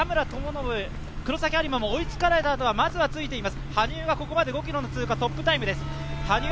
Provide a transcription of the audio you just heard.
黒崎播磨の田村友伸も追いつかれたあとは、まずはついています。